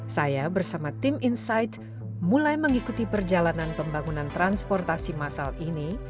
saya bersama tim insight mulai mengikuti perjalanan pembangunan transportasi massal ini